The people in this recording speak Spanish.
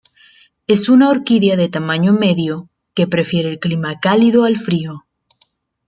Es una orquídea de tamaño medio, que prefiere el clima cálido al frío.